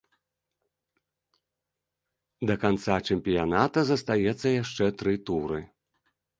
Да канца чэмпіяната застаецца яшчэ тры туры.